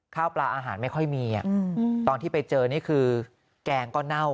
ข้าวปลาอาหารไม่ค่อยมีตอนที่ไปเจอนี่คือแกงก็เน่า